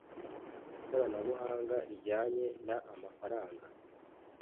Ikoranabuhanga rijyanye na amafaranga